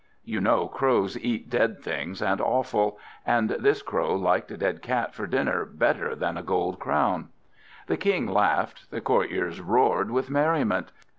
You know Crows eat dead things and offal; and this Crow liked a dead cat for dinner better than a gold crown. The King laughed, the courtiers roared with merriment.